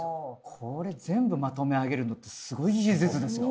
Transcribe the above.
これ全部まとめ上げるのってすごい技術ですよ